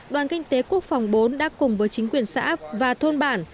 đoàn kinh tế quốc phòng bốn đã cùng với chính quyền xã và thôn bản